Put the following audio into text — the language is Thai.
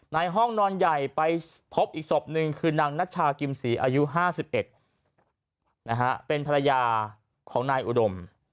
ห้องนอนใหญ่ไปพบอีกศพหนึ่งคือนางนัชชากิมศรีอายุ๕๑เป็นภรรยาของนายอุดม